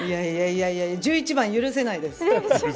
いやいや１１番許せないです。